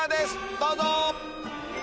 どうぞ。